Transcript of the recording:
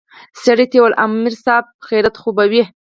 سړي ته يې وويل امر صايب خيريت خو به وي.